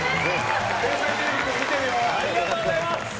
ありがとうございます！